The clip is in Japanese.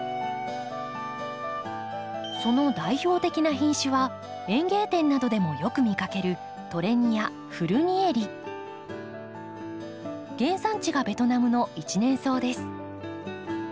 その代表的な品種は園芸店などでもよく見かける原産地がベトナムの一年草です。